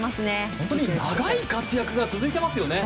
本当に長い活躍が続いてますよね。